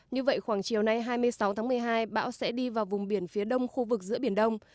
như vậy khoảng chiều nay hai mươi sáu tháng một mươi hai bão sẽ đi vào vùng biển phía đông khu vực giữa biển đông